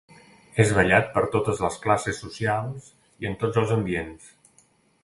És ballat per totes les classes socials i en tots els ambients.